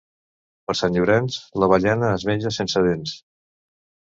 Per Sant Llorenç l'avellana es menja sense dents.